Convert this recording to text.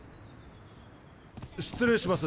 失礼します。